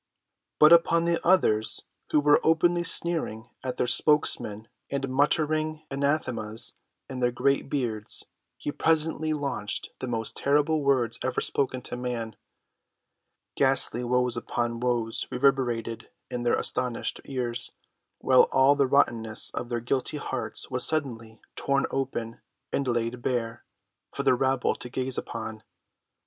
But upon the others, who were openly sneering at their spokesman and muttering anathemas in their great beards, he presently launched the most terrible words ever spoken to man. Ghastly woes upon woes reverberated in their astonished ears, while all the rottenness of their guilty hearts was suddenly torn open and laid bare for the rabble to gaze upon.